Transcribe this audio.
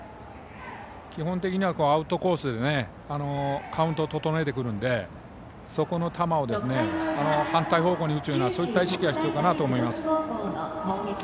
基本的にはアウトコースでカウントを整えてくるのでその球を反対方向に打つようなそういった意識が必要かなと思います。